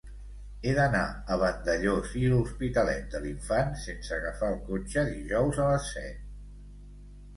He d'anar a Vandellòs i l'Hospitalet de l'Infant sense agafar el cotxe dijous a les set.